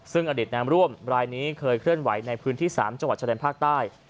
ซึ่งอดีตน้ำร่วมรายนี้เคยเคลื่อนไหวในพื้นที่๓จังหวัดชายแดนภาคใต้